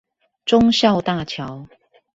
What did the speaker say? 忠孝大橋